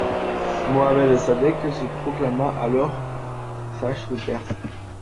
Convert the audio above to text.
Mohammad Sadeq se proclama alors chah de Perse.